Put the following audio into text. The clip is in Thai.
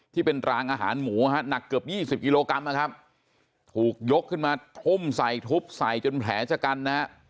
ที่เป็นรางอาหารหมูฮะหนักเกือบ๒๐กิโลกรัมนะครับถูกยกขึ้นมาทุ่มใส่ทุบใส่จนแผลชะกันนะฮะ